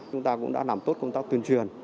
chúng ta cũng đã làm tốt công tác tuyên truyền